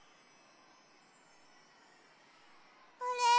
あれ？